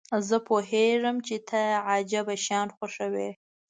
زه پوهیږم چې ته عجیبه شیان خوښوې.